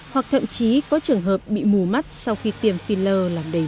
hoặc thậm chí có trường hợp bị mù mắt sau khi tiêm filler làm đầy